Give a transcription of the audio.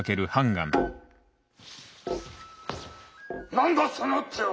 「何だその手は」。